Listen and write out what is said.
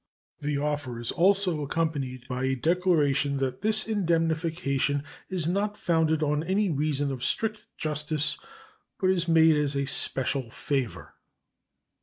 The offer is also accompanied by a declaration that this indemnification is not founded on any reason of strict justice, but is made as a special favor.